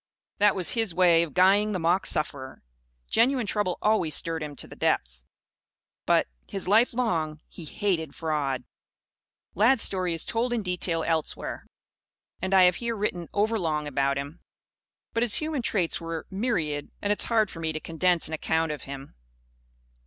That was his way of guying the mock sufferer. Genuine trouble always stirred him to the depths. But, his life long, he hated fraud. Lad's story is told in detail, elsewhere; and I have here written overlong about him. But his human traits were myriad and it is hard for me to condense an account of him.